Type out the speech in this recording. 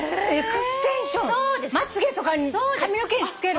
まつげとか髪の毛につける。